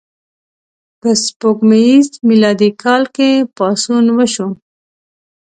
په سپوږمیز میلادي کال کې پاڅون وشو.